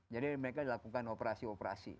jadi mereka lakukan operasi operasi